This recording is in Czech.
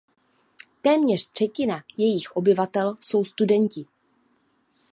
Téměř třetina jejích obyvatel jsou studenti.